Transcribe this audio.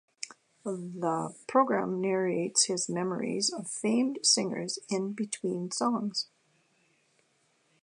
The program narrates his memories of famed singers in between songs.